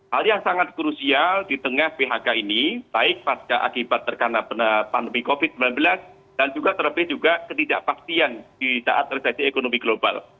hal yang sangat krusial di tengah phk ini baik pasca akibat terkena pandemi covid sembilan belas dan juga terlebih juga ketidakpastian di saat resesi ekonomi global